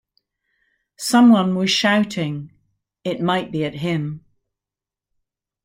Someone was shouting — it might be at him.